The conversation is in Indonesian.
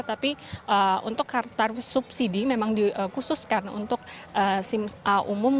tapi untuk tarif subsidi memang dikhususkan untuk sim a umum